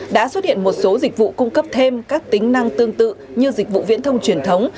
đã xuất hiện một số dịch vụ cung cấp thêm các tính năng tương tự như dịch vụ viễn thông truyền thống